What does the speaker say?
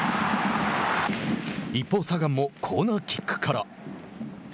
一方、サガンもコーナーキックから。